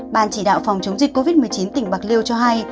ban chỉ đạo phòng chống dịch covid một mươi chín tỉnh bạc liêu cho hay